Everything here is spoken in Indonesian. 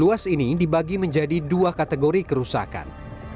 luas ini dibagi menjadi dua kategori kerusakan